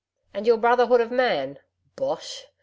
And your Brotherhood of Man! Bosh!